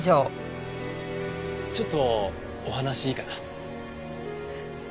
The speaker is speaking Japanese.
ちょっとお話いいかな？